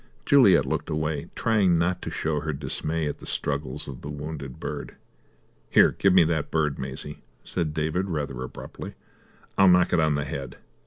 Juliet looked away, trying not to show her dismay at the struggles of the wounded bird. "Here, give me that bird, Maisie," said David rather abruptly. "I'll knock it on the head."